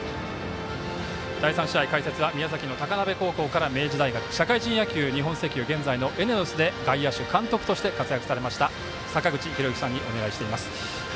第３試合、解説は宮崎の高鍋高校から明治大学社会人野球日本石油、現在のＥＮＥＯＳで外野手監督として活躍されました坂口裕之さんにお願いしています。